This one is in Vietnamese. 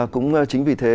cũng chính vì thế